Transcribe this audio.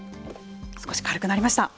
少し軽くなりました。